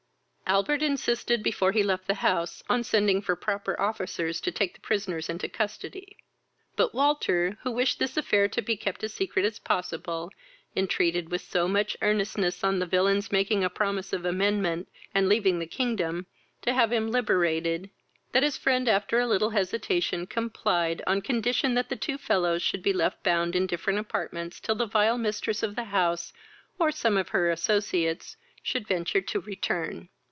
Albert insisted, before he left the house, on sending for proper officers to take the prisoners into custody; but Walter, who wished this affair to be kept as secret as possible, entreated, with so much earnestness, on the villain's making a promise of amendment, and leaving the kingdom, to have him liberated, that his friend, after a little hesitation, complied, on condition that the two fellows should be left bound in different apartments till the vile mistress of the house, or some of her associates, should venture to return.